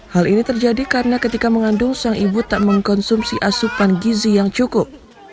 hal ini terjadi karena ketika mengandung sang ibu tak mengkonsumsi asupan gizi yang cukup